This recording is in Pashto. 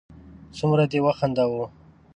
څومره دې و خنداوه